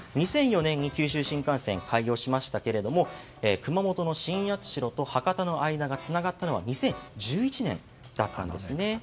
２００４年に九州新幹線は開業しましたが熊本の新八代と博多の間がつながったのは２０１１年だったんですね。